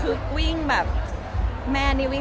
อเรนนี่